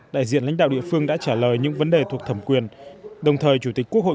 đại diện lãnh đạo địa phương đã trả lời những vấn đề thuộc thẩm quyền đồng thời chủ tịch quốc hội